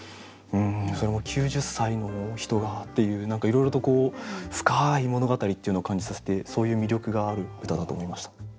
それも９０歳の人がっていう何かいろいろと深い物語っていうのを感じさせてそういう魅力がある歌だと思いました。